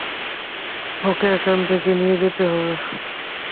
ওকে এখান থেকে নিয়ে যেতে হবে!